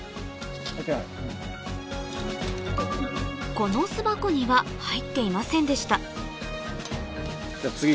この巣箱には入っていませんでした